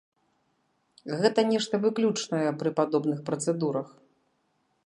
Гэта нешта выключнае пры падобных працэдурах.